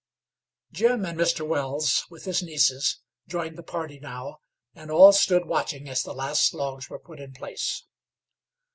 Jim and Mr. Wells, with his nieces, joined the party now, and all stood watching as the last logs were put in place.